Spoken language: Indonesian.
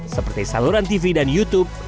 seperti saluran tv dan youtube